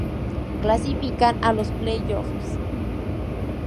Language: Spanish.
Clasifican a los playoffs